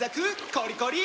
コリコリ！